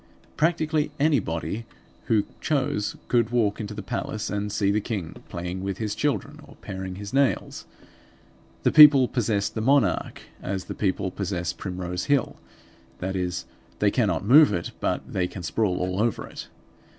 Practically anybody who chose could walk into the palace and see the king playing with his children, or paring his nails. The people possessed the monarch, as the people possess Primrose Hill; that is, they cannot move it, but they can sprawl all over it.